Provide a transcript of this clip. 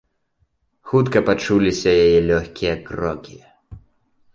Хутка пачуліся яе лёгкія крокі.